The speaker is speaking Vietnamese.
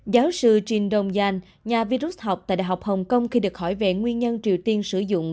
giáo sư jin dong jan nhà vi rút học tại đại học hồng kông khi được hỏi về nguyên nhân triều tiên sử dụng